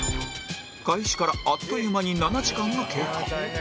開始からあっという間に７時間が経過